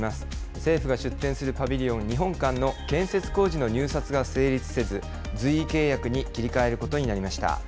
政府が出展するパビリオンの日本館の建設工事の入札が成立せず、随意契約に切り替えることになりました。